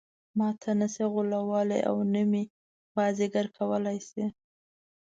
ماته نه شي غولولای او نه مې بازيګر کولای شي.